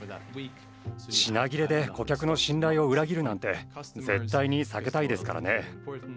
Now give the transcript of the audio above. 品切れで顧客の信頼を裏切るなんて絶対に避けたいですからね。